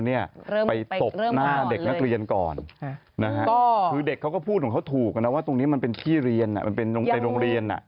เด็กเขาก็พูดของเขาถูกกันว่าตรงนี้มันเป็นที่เรียนเป็นโรงเรียน